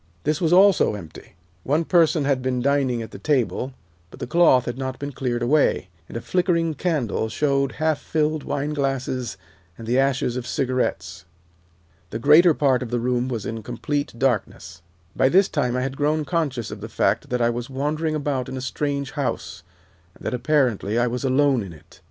This was also empty. One person had been dining at the table, but the cloth had not been cleared away, and a nickering candle showed half filled wineglasses and the ashes of cigarettes. The greater part of the room was in complete darkness. "By this time I had grown conscious of the fact that I was wandering about in a strange house, and that, apparently, I was alone in it.